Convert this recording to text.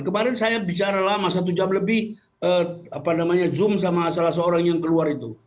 kemarin saya bicara lama satu jam lebih zoom sama salah seorang yang keluar itu